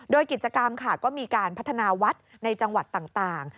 โดยกิจกรรมค่ะก็มีการพัฒนาวัดในจังหวัดต่าง